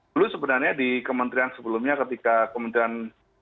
dulu sebenarnya di kementerian sebelumnya ketika kementerian